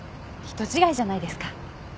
人違いじゃないですか？